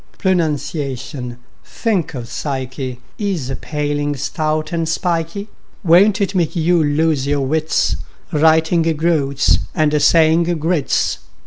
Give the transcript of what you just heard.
Pronunciation—think of psyche!— Is a paling, stout and spikey; Won't it make you lose your wits, Writing "groats" and saying groats?